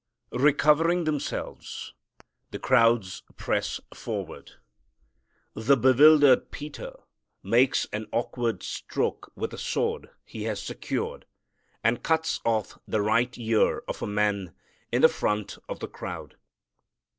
Recovering themselves, the crowds press forward. The bewildered Peter makes an awkward stroke with a sword he had secured and cuts off the right ear of a man in the front of the crowd.